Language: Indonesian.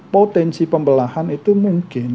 potensi pembelahan itu mungkin